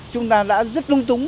chúng ta đã rất lung túng